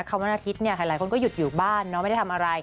ความว่านาทิตย์หลายคนก็หยุดอยู่บ้านเนอะไม่ได้ทำอะไร